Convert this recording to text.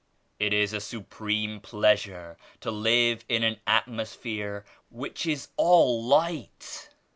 It is a supreme pleasure to live in an atmos phere which is all Light.